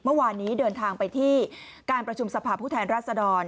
เมื่อวานนี้เดินทางไปที่การประชุมสภาพผู้แทนราชดร